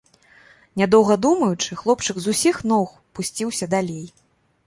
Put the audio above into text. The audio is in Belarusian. Нядоўга думаючы, хлопчык з усіх ног пусціўся далей.